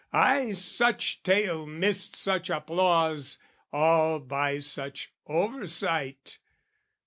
Ay, such tale Missed such applause, all by such oversight!